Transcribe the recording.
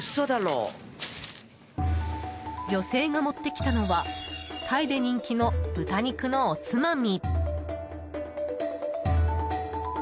女性が持ってきたのはタイで人気の豚肉のおつまみ。